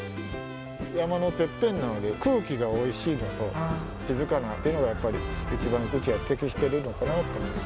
山のてっぺんなので空気がおいしいのと静かなっていうのがやっぱり一番うちは適してるのかなと思って。